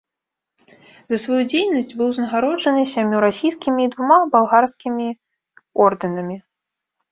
За сваю дзейнасць быў узнагароджаны сямю расійскімі і двума балгарскімі ордэнамі.